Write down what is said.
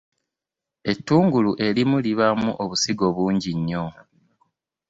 Ettungulu erimu libaamu obusigo bungi nnyo.